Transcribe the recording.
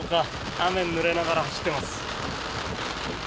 雨にぬれながら走っています。